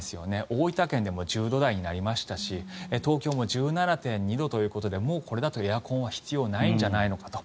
大分県でも１０度台になりましたし東京も１７．２度ということでもうこれだとエアコンは必要ないんじゃないのかと。